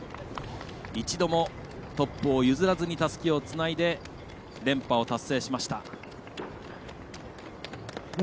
一度もトップを譲らずにたすきをつないで連覇を達成しました。